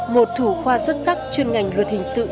một thủ khoa xuất sắc chuyên ngành luật hình sự